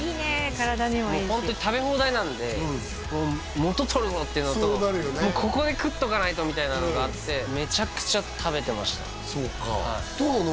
体にもいいしもうホントに食べ放題なので元取るぞっていうのとここで食っとかないとみたいなのがあってめちゃくちゃ食べてましたそうかどうなの？